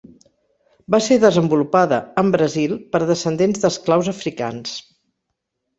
Va ser desenvolupada en Brasil per descendents d'esclaus africans.